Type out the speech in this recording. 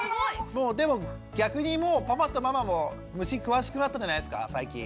でも逆にもうパパとママも虫に詳しくなったんじゃないんですか最近。